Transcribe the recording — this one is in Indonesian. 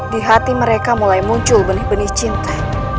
di hati mereka mulai muncul benih benih cinta